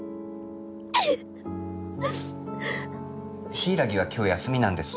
柊は今日休みなんです。